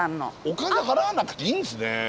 お金払わなくていいんですね。